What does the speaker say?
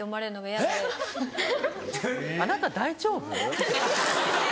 えっ⁉あなた大丈夫？